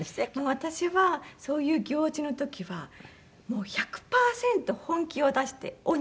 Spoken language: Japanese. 私はそういう行事の時はもう１００パーセント本気を出して鬼役に徹する。